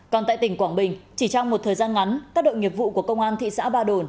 còn tại tỉnh quảng bình chỉ trong một thời gian ngắn các đội nghiệp vụ của công an thị xã ba đồn